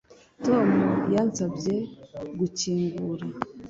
Tom yansabye gukingura